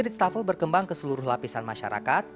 ritz tafel berkembang ke seluruh lapisan masyarakat